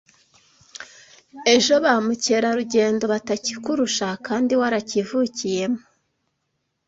ejo ba mukerarugendo batakikurusha kandi warakivukiyemo